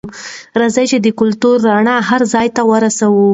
راځئ چې د کلتور رڼا هر ځای ته ورسوو.